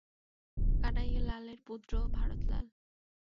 কানাইয়া লালের পুত্র ভারত লাল।